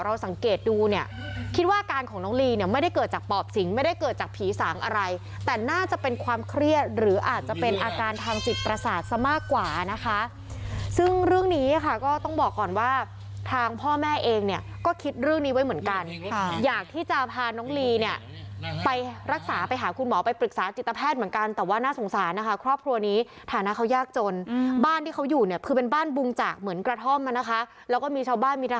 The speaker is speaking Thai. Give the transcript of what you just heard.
เราสังเกตดูเนี่ยคิดว่าการของน้องลีเนี่ยไม่ได้เกิดจากปอบสิงไม่ได้เกิดจากผีสางอะไรแต่น่าจะเป็นความเครียดหรืออาจจะเป็นอาการทางจิตประสาทซะมากกว่านะคะซึ่งเรื่องนี้ค่ะก็ต้องบอกก่อนว่าทางพ่อแม่เองเนี่ยก็คิดเรื่องนี้ไว้เหมือนกันค่ะอยากที่จะพาน้องลีเนี่ยไปรักษาไปหาคุณหมอไปปรึกษาจิตแพทย์เห